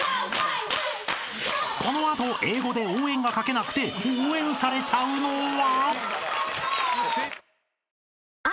［この後英語で「応援」が書けなくて応援されちゃうのは？］